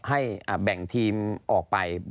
ให้แบ่งทีมออกไป